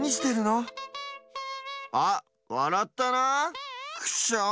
あっわらったなクッショーン！